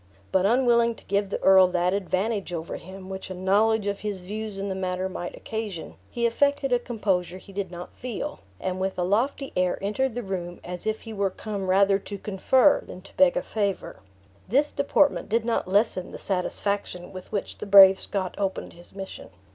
But unwilling to give the earl that advantage over him which a knowledge of his views in the matter might occasion, he affected a composure he did not feel; and with a lofty air entered the room as if he were come rather to confer than to beg a favor. This deportment did not lessen the satisfaction with which the brave Scot opened his mission.